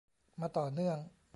มาต่อเนื่อง